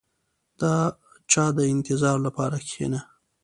• د چا د انتظار لپاره کښېنه.